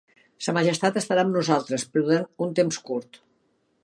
Sa majestat estarà amb nosaltres, però durant un temps curt.